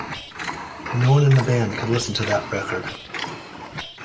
No one in the band could listen to that record.